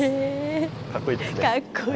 かっこいいですね。